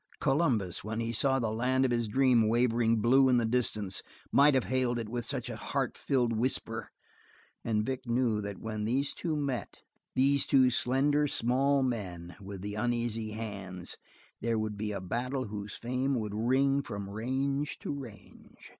Columbus, when he saw the land of his dream wavering blue in the distance, might have hailed it with such a heart filling whisper, and Vic knew that when these two met, these two slender, small men with the uneasy hands, there would be a battle whose fame would ring from range to range.